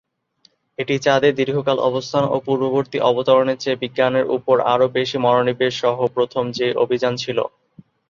এটি চাঁদে দীর্ঘকাল অবস্থান ও পূর্ববর্তী অবতরণের চেয়ে বিজ্ঞানের উপর আরও বেশি মনোনিবেশ সহ প্রথম জে অভিযান ছিল।